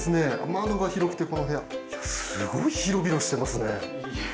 窓が広くてこの部屋すごい広々してますね。